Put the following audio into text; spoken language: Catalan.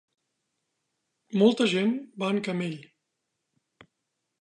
molta gent va en camell.